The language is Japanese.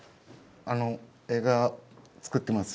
あの映画作ってます